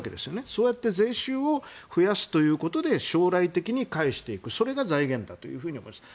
そうやって税収を増やすということで将来的に返していくそれが財源だと思っています。